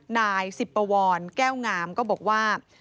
นายสิบปวรแก้วงามก็บอกว่า